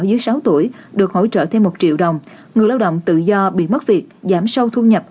dưới sáu tuổi được hỗ trợ thêm một triệu đồng người lao động tự do bị mất việc giảm sâu thu nhập